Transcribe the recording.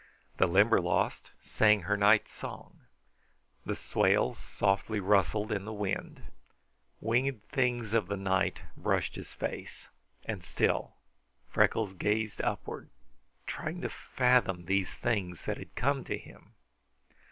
The Limberlost sang her night song. The swale softly rustled in the wind. Winged things of night brushed his face; and still Freckles gazed upward, trying to fathom these things that had come to him.